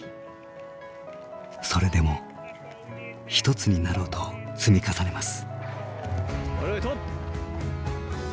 それでも一つになろうと積み重ねます。